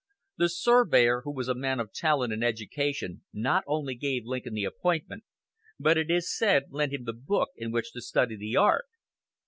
The surveyor, who was a man of talent and education, not only gave Lincoln the appointment, but, it is said, lent him the book in which to study the art.